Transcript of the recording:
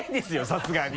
さすがに。